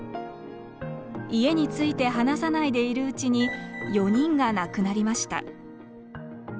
家について話さないでいるうちに４人が亡くなりました。